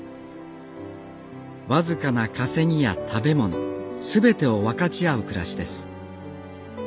僅かな稼ぎや食べ物全てを分かち合う暮らしです